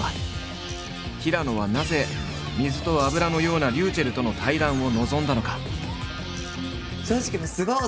平野はなぜ水と油のようなｒｙｕｃｈｅｌｌとの対談を望んだのか。